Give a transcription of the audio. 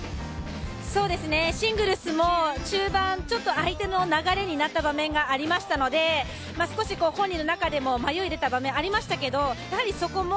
シングルスも、中盤ちょっと相手の流れになった場面がありましたので、少し本人の中でも迷いが出た場面がありましたけどそこも